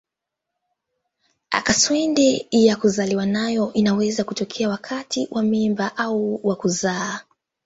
Kaswende ya kuzaliwa nayo inaweza kutokea wakati wa mimba au wa kuzaa.